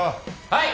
はい！